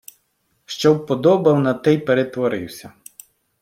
Що вподобав, на те й перетворився.